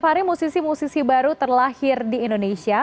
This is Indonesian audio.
fahri musisi musisi baru terlahir di indonesia